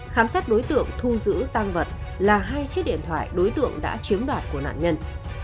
khám xét đối tượng thu giữ tăng vật là hai chiếc điện thoại đối tượng đã chiếm đoạt của nạn nhân